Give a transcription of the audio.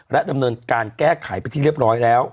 ดำเนินการแก้ไขไปที่เรียบร้อยแล้ว